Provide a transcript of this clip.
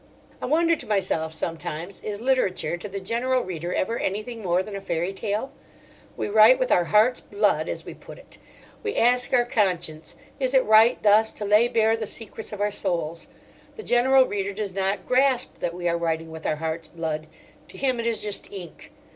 I wonder to myself sometimes, Is literature to the general reader ever anything more than a fairy tale? We write with our heart's blood, as we put it. We ask our conscience, Is it right thus to lay bare the secrets of our souls? The general reader does not grasp that we are writing with our heart's blood: to him it is just ink.